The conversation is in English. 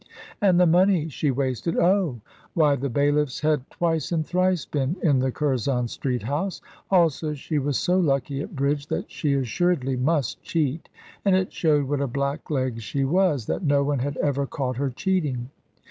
And the money she wasted! Oh! Why, the bailiffs had twice and thrice been in the Curzon Street house. Also, she was so lucky at bridge that she assuredly must cheat, and it showed what a blackleg she was, that no one had ever caught her cheating.